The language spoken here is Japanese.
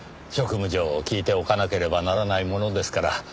職務上聞いておかなければならないものですから。